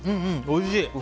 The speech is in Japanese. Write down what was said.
おいしい。